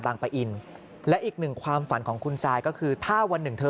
ปะอินและอีกหนึ่งความฝันของคุณซายก็คือถ้าวันหนึ่งเธอ